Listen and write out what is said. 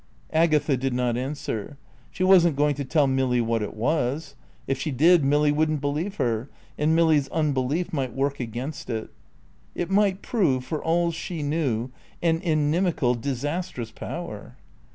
Agatha did not answer. She wasn't going to tell Milly what it was. If she did Milly wouldn't believe her, and Milly's unbelief might work against it. It might prove, for all she knew, an inimical, disastrous power.